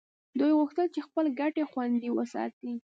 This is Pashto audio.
دوی غوښتل چې خپلې ګټې خوندي وساتي